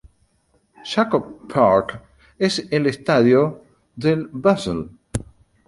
Jakob Park es el estadio del Basel.